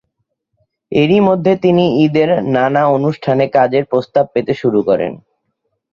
এরই মধ্যে তিনি ঈদের নানা অনুষ্ঠানে কাজের প্রস্তাব পেতে শুরু করেন।